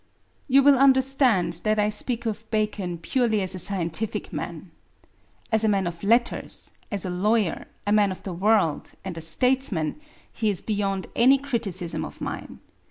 You will understand that I speak of Bacon purely as a scientific man. As a man of letters, as a lawyer, a man of the world, and a statesman, he is beyond any criticism of mine.